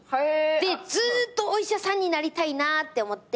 でずっとお医者さんになりたいなって思って。